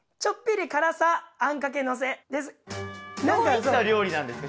どういった料理なんですか？